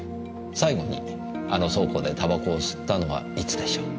最後にあの倉庫で煙草を吸ったのはいつでしょう？